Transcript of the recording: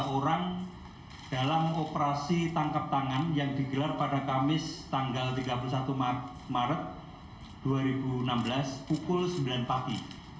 tiga orang dalam operasi tangkap tangan yang digelar pada kamis tanggal tiga puluh satu maret dua ribu enam belas pukul sembilan pagi